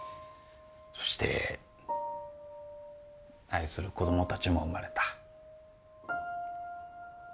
そして愛する子供たちも生まれた。